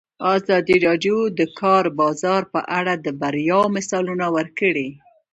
ازادي راډیو د د کار بازار په اړه د بریاوو مثالونه ورکړي.